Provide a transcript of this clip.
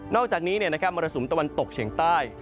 อกจากนี้มรสุมตะวันตกเฉียงใต้